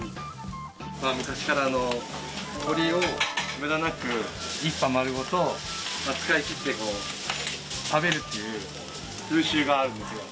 昔から鶏を無駄なく１羽丸ごと使い切って食べるっていう風習があるんですよ